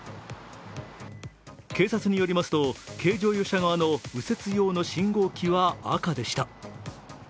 警察によりますと、軽乗用車側の右折用の信号機は赤でした。